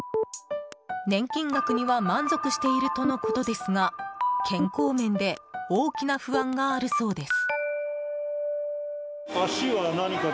年金額には満足しているとのことですが健康面で大きな不安があるそうです。